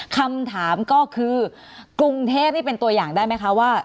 คำถามก็คือกรุงเทพนี่เป็นตัวอย่างได้ไหมคะว่า